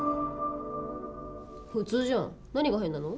普通じゃん。何が変なの？